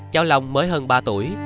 cháu lòng mới hơn ba tuổi